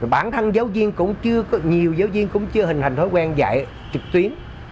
bản thân giáo viên cũng chưa nhiều giáo viên cũng chưa hình thành thói quen dạy trực tuyến